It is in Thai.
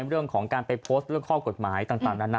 เรื่องของการไปกดสื่อข้อกฎหมายต่างแล้ว